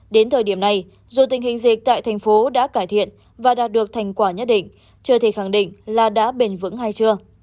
đến thời điểm này dù tình hình dịch tại thành phố đã cải thiện và đạt được thành quả nhất định chưa thể khẳng định là đã bền vững hay chưa